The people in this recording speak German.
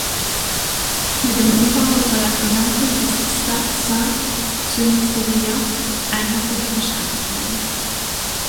Mit dem Umbau soll das Gesamtbild des Stade Saint-Symphorien einheitlicher gestaltet werden.